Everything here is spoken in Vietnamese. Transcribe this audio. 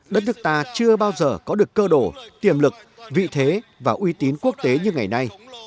đất nước ta chưa bao giờ có được cơ đồ tiềm lực vị thế và uy tín quốc tế như ngày nay